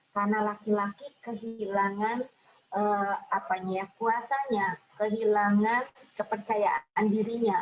karena laki laki kehilangan kuasanya kehilangan kepercayaan dirinya